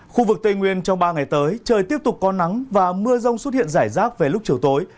khu vực tây nguyên trong ba ngày tới trời tiếp tục có nắng và mưa rông xuất hiện rải rác về lúc chiều tối